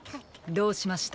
どうしました？